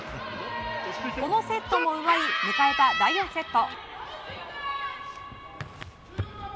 このセットも奪い迎えた第４セット。